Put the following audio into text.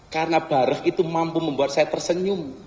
karena barakh itu mampu membuat saya tersenyum